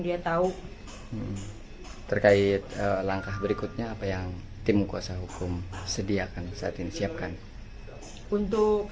dia tahu terkait langkah berikutnya apa yang tim kuasa hukum sediakan saat ini siapkan untuk